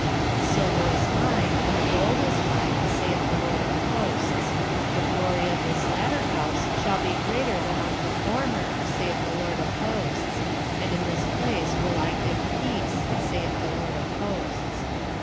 2:8 The silver is mine, and the gold is mine, saith the LORD of hosts. 2:9 The glory of this latter house shall be greater than of the former, saith the LORD of hosts: and in this place will I give peace, saith the LORD of hosts.